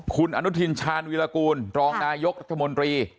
คุณอนุทินชาญวิรากูลรองนายกรัฐมนตรี